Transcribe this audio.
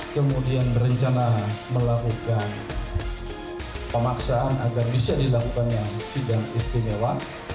kemudian berencana melakukan pemaksaan agar bisa dilakukan yang sidang istimewa